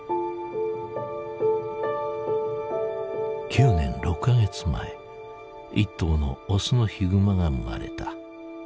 ９年６か月前一頭のオスのヒグマが生まれた。